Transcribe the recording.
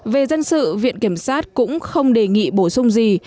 về dân sự viện kiểm sát cũng không đề nghị bổ sung gì